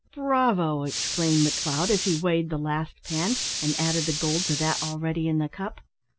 "Bravo!" exclaimed McLeod, as he weighed the last pan, and added the gold to that already in the cup.